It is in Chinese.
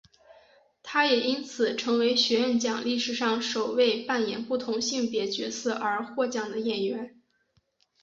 她也因此成为学院奖历史上首位扮演不同性别角色而获奖的演员。